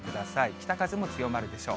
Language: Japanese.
北風も強まるでしょう。